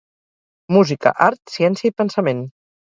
Música, art, ciència i pensament.